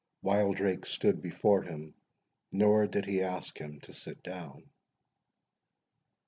Wildrake stood before him, nor did he ask him to sit down.